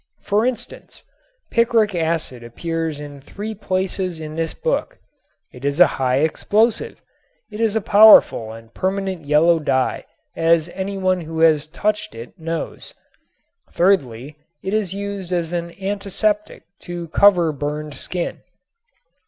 For instance, picric acid appears in three places in this book. It is a high explosive. It is a powerful and permanent yellow dye as any one who has touched it knows. Thirdly it is used as an antiseptic to cover burned skin.